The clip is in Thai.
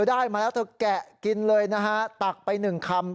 ได้มาแล้วเธอแกะกินเลยนะฮะตักไปหนึ่งคำ